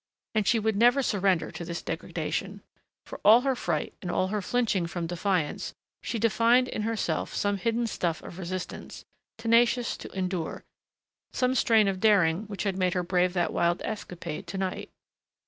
And she would never surrender to this degradation; for all her fright and all her flinching from defiance she divined in herself some hidden stuff of resistance, tenacious to endure ... some strain of daring which had made her brave that wild escapade to night.